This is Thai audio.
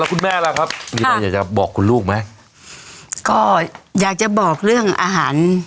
คุณแม่ล่ะครับมีอะไรอยากจะบอกคุณลูกไหมก็อยากจะบอกเรื่องอาหาร